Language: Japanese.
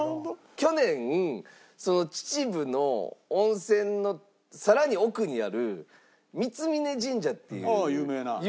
去年秩父の温泉の更に奥にある三峯神社っていう有名な。